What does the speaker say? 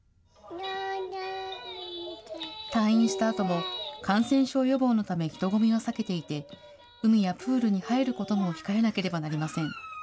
退院したあとも、感染症予防のため人混みは避けていて、海やプールに入ることも控えなければなりません。